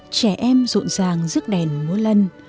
trẻ em rộn ràng rước đèn múa lân